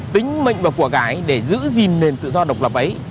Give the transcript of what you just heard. tính mệnh và quả gái để giữ gìn nền tự do độc lập ấy